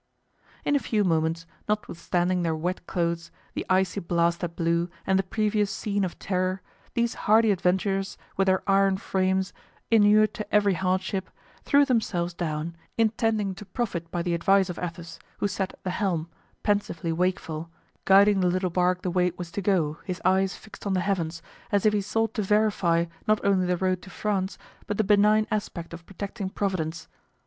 In a few moments, notwithstanding their wet clothes, the icy blast that blew and the previous scene of terror, these hardy adventurers, with their iron frames, inured to every hardship, threw themselves down, intending to profit by the advice of Athos, who sat at the helm, pensively wakeful, guiding the little bark the way it was to go, his eyes fixed on the heavens, as if he sought to verify not only the road to France, but the benign aspect of protecting Providence.